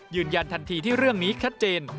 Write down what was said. ยืนยันทันทีที่เรื่องนี้ชัดเจน